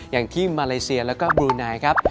อย่างที่มาเลเซียแล้วก็บลูไนครับ